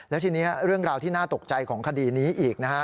แล้วทีนี้เรื่องราวที่น่าตกใจของคดีนี้อีกนะฮะ